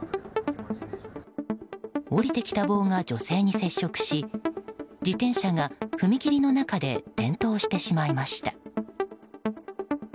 下りてきた棒が女性に接触し自転車が踏切の中で転倒してしまいました。